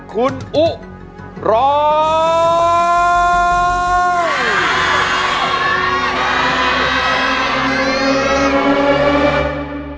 คุณอุร้อง